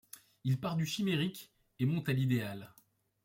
Il part du chimérique et monte à l'idéal.